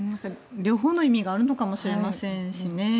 両方の意味があるのかもしれませんしね。